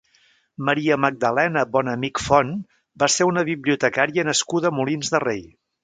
Maria Magdalena Bonamich Font va ser una bibliotecària nascuda a Molins de Rei.